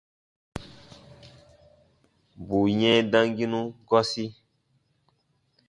Bù yɛ̃ɛ damginu gɔsi.